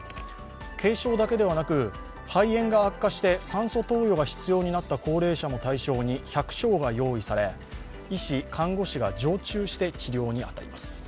軽症だけではなく、肺炎が悪化して酸素投与も必要となった高齢者も対象に１００床が用意され、医師、看護師が常駐して治療に当たります。